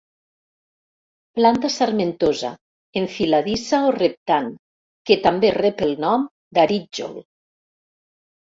Planta sarmentosa, enfiladissa o reptant, que també rep el nom d'arítjol.